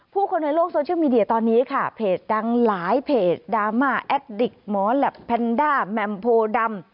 คนในโลกโซเชียลมีเดียตอนนี้ค่ะเพจดังหลายเพจดราม่าแอดดิกหมอแหลปแพนด้าแมมโพดำ